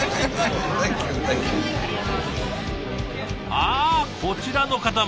あこちらの方も。